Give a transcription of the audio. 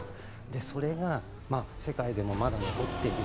それが世界でもまだ残っているし